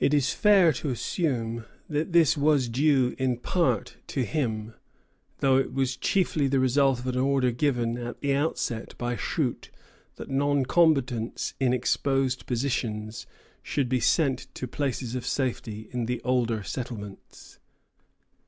It is fair to assume that this was due in part to him, though it was chiefly the result of an order given, at the outset, by Shute that non combatants in exposed positions should be sent to places of safety in the older settlements.